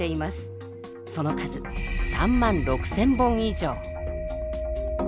その数３万６，０００本以上。